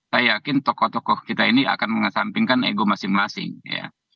saya yakin tokoh tokoh kita ini akan mengesampingkan ego masing masing ya